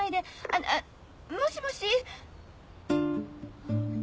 あもしもし？